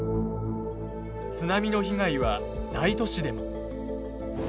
津波の被害は大都市でも。